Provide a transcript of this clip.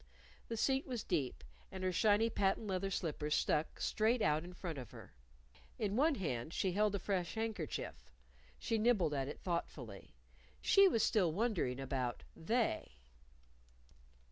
The seat was deep, and her shiny patent leather slippers stuck straight out in front of her. In one hand she held a fresh handkerchief. She nibbled at it thoughtfully. She was still wondering about "They."